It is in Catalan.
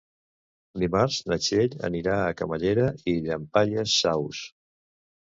Dimarts na Txell anirà a Camallera i Llampaies Saus.